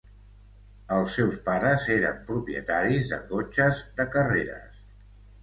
Els seus pares eren propietaris de cotxes de carreres.